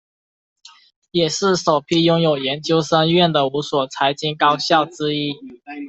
也是首批拥有研究生院的五所财经高校之一。